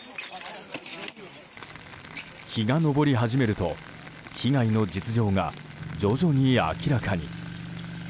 日が昇り始めると被害の実情が徐々に明らかに。